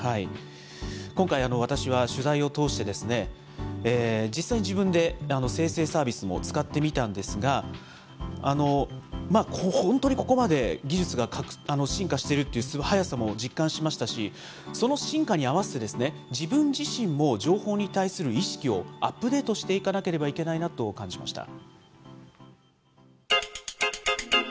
今回、私は取材を通して、実際に自分で生成サービスも使ってみたんですが、本当にここまで技術が進化してるって、早さも実感しましたし、その進化に合わせて自分自身も情報に対する意識をアップデートしていかなければいけないなと感じました。